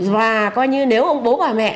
và coi như nếu ông bố bà mẹ